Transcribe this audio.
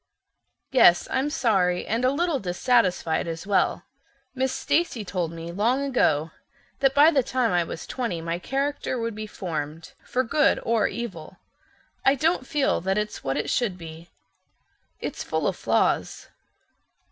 Yes, I'm sorry, and a little dissatisfied as well. Miss Stacy told me long ago that by the time I was twenty my character would be formed, for good or evil. I don't feel that it's what it should be. It's full of flaws."